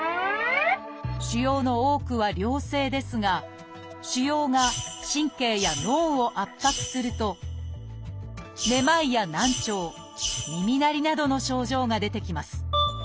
腫瘍の多くは良性ですが腫瘍が神経や脳を圧迫するとめまいや難聴耳鳴りなどの症状が出てきます。